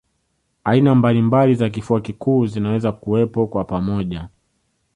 Aina mbalimbali za kifua kikuu zinaweza kuwepo kwa pamoja